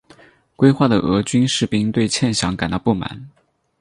归化的俄军士兵们对欠饷感到不满。